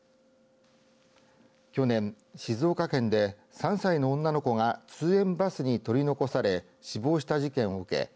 去年、静岡県で３歳の女の子が通園バスに取り残され死亡した事件を受け